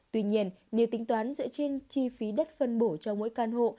tuy nhiên nếu tính toán dựa trên chi phí đất phân bổ cho mỗi căn hộ